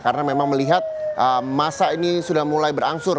karena memang melihat masa ini sudah mulai berangsur